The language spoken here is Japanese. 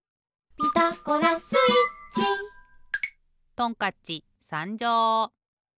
トンカッチさんじょう！